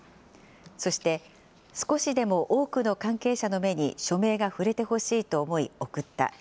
そして、少しでも多くの関係者の目に署名が触れてほしいと思い送った。